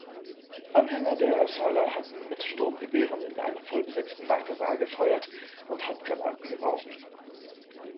Anhänger der Asala hatten mit Sturmgewehren in einen vollbesetzten Wartesaal gefeuert und Handgranaten geworfen.